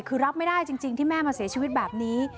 คือรับไม่ได้จริงที่แม่มาเสียชีวิตแบบนี้